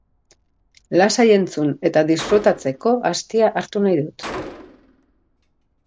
Lasai entzun eta disfrutatzeko astia hartu nahi dut.